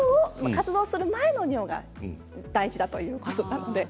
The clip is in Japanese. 活動する前の尿が大事だということです。